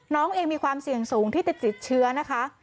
น้องเองมีความเสี่ยงสูงที่จะติดเชื้อนะคะ